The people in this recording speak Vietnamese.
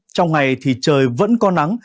trong ngày thì trời vẫn có nắng